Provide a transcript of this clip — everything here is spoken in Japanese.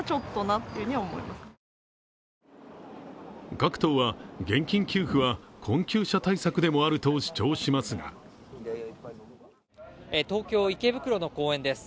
各党は、現金給付は困窮者対策でもあると主張しますが東京・池袋の公園です。